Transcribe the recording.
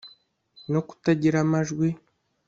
no kutagira amajwi